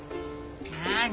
何？